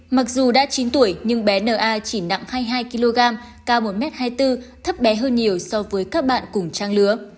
mặc dù đã chín tuổi nhưng bé na chỉ nặng hai mươi hai kg cao một m hai mươi bốn thấp bé hơn nhiều so với các bạn cùng trang lứa